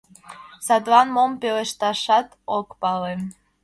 Садлан мом пелешташат ок пале.